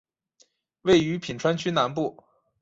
位于品川区南部。